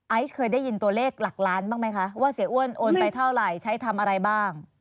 เคยได้ยินตัวเลขหลักล้านบ้างไหมคะว่าเสียอ้วนโอนไปเท่าไหร่ใช้ทำอะไรบ้าง